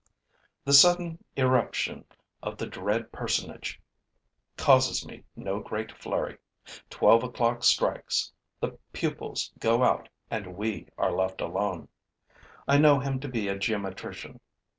The sudden irruption of the dread personage causes me no great flurry. Twelve o'clock strikes, the pupils go out and we are left alone. I know him to be a geometrician.